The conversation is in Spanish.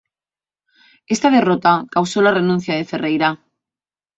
Esta derrota causó la renuncia de Ferreyra.